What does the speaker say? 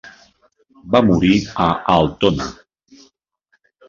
Va morir a Altona.